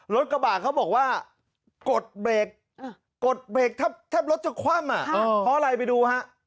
รถกระบะเขาบอกว่ากดเบรกถ้ารถจะคว่ำเพราะอะไรไปดู